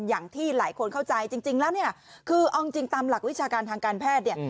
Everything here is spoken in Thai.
อย่างที่หลายคนเข้าใจจริงแล้วเนี่ยคือเอาจริงตามหลักวิชาการทางการแพทย์เนี่ย